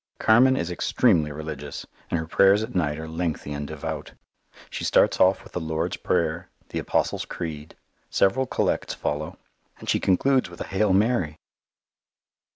Carmen is extremely religious, and her prayers at night are lengthy and devout. She starts off with the Lord's Prayer, the Apostles' Creed; several collects follow, and she concludes with a "Hail Mary!"